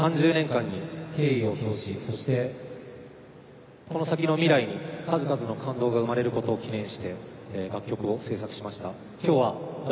今までの３０年に敬意を評しそして、この先の未来に数々の感動が生まれることを祈念して、曲を制作しました。